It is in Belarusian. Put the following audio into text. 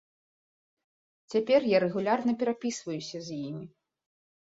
Цяпер я рэгулярна перапісваюся з імі.